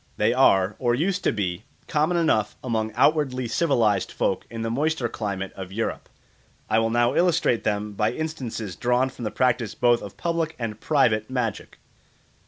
They are, or used to be, common enough among outwardly civilised folk in the moister climate of Europe. I will now illustrate them by instances drawn from the practice both of public and private magic.